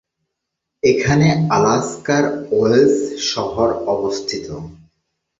এখানে আলাস্কার ওয়েলস শহর অবস্থিত।